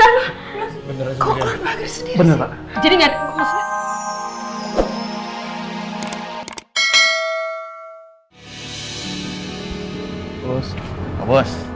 kok kok agak sedih